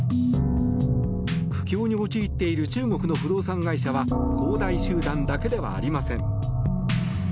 苦境に陥っている中国の不動産会社は恒大集団だけではありません。